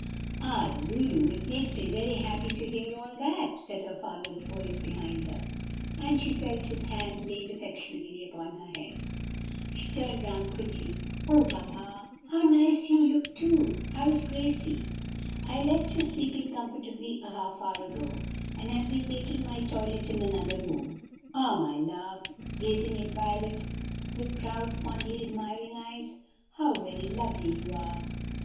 "Ah, Lulu, it makes me very happy to hear all that!" said her father's voice behind her, and she felt his hand laid affectionately upon her head. She turned round quickly. "Ah, papa! how nice you look too! How is Gracie?" "I left her sleeping comfortably a half hour ago, and have been making my toilet in another room. Ah, my love!" gazing at Violet with proud, fondly admiring eyes, "how very lovely you are!"